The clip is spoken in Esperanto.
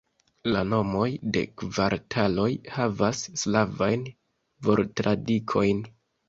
La nomoj de kvartaloj havas slavajn vortradikojn.